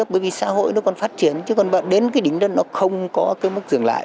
bởi vì xã hội nó còn phát triển chứ còn đến cái đỉnh đó nó không có cái mức dừng lại